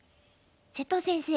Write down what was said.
瀬戸先生